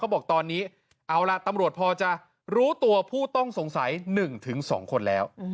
บอกตอนนี้เอาล่ะตำรวจพอจะรู้ตัวผู้ต้องสงสัย๑๒คนแล้ว